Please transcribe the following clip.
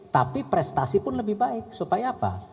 tapi prestasi pun lebih baik supaya apa